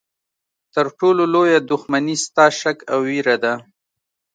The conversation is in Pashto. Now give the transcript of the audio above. تر ټولو لویه دښمني ستا شک او ویره ده.